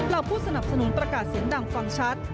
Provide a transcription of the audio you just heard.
ผู้สนับสนุนประกาศเสียงดังฟังชัด